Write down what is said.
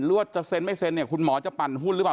ว่าจะเซ็นไม่เซ็นเนี่ยคุณหมอจะปั่นหุ้นหรือเปล่า